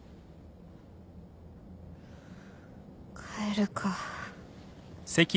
帰るか。